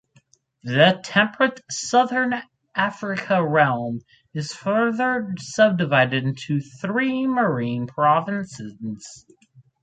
The Temperate Southern Africa realm is further subdivided into three marine provinces.